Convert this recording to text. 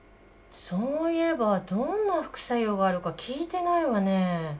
そういえばどんな副作用があるか聞いてないわね。